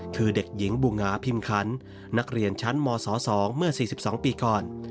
คือเด็กหญิงบูหงาพิมคันนักเรียนชั้นม๒เมื่อ๔๒ปีก่อน